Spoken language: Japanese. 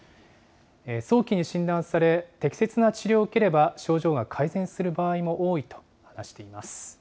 早期に診断され、適切な治療を受ければ、症状が改善する場合も多いと話しています。